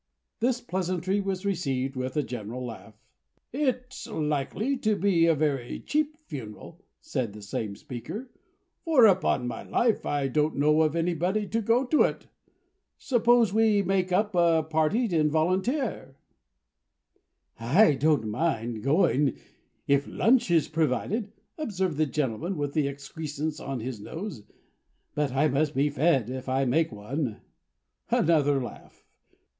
This pleasantry was received with a general laugh. "It's likely to be a very cheap funeral," said the same speaker; "for upon my life I don't know of anybody to go to it. Suppose we make up a party and volunteer?" "I don't mind going if a lunch is provided," observed the gentleman with the excrescence on his nose. "But I must be fed, if I make one." Another laugh.